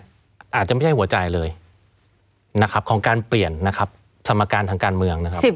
อาจจะไม่ใช่หัวใจเลยนะครับของการเปลี่ยนนะครับสมการทางการเมืองนะครับ